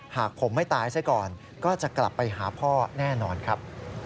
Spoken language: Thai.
หากผมไม่ตายซะก่อนก็จะกลับไปหาพ่อแน่นอนครับ